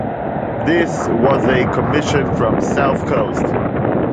This was a commission from South Coast.